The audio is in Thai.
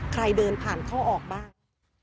ใครเดินผ่านเข้าออกบ้าง